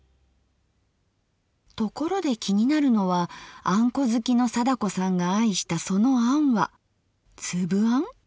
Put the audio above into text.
ところで気になるのはあんこ好きの貞子さんが愛したそのあんはつぶあん？